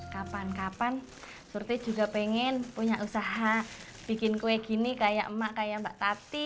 kapan kapan surte juga pengen punya usaha bikin kue gini kayak emak kayak mbak tati